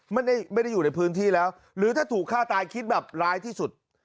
ไม่ได้อยู่ในพื้นที่แล้วหรือถ้าถูกฆ่าตายคิดแบบร้ายที่สุด